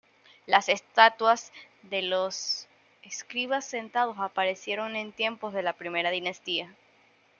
Las estatuas de los escribas sentados aparecieron en tiempos de la primera dinastía.